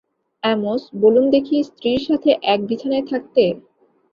Amos, বলুন দেখি, - স্ত্রীর সাথে এক বিছানায় থাকতে?